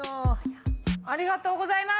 ありがとうございます！